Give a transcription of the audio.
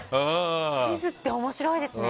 地図って面白いですね。